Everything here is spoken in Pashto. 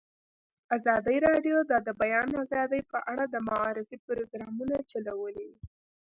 ازادي راډیو د د بیان آزادي په اړه د معارفې پروګرامونه چلولي.